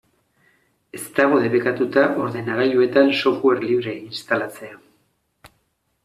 Ez dago debekatua ordenagailuetan software librea instalatzea.